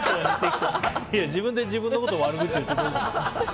自分で自分のことを悪口言ってくんだ。